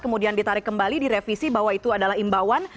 kemudian ditarik kembali direvisi bahwa itu adalah imbauan